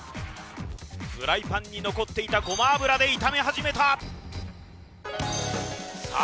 フライパンに残っていたごま油で炒め始めたさあ